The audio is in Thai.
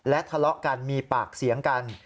ทะเลาะกันมีปากเสียงกัน